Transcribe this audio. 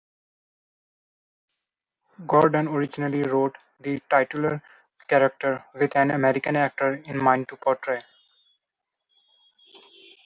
Gordon originally wrote the titular character with an American actor in mind to portray.